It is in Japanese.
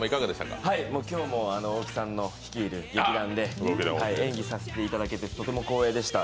今日も大木さんの率いる劇団で演技させていただけてとても光栄でした。